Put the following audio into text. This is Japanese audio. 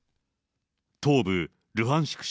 東部ルハンシク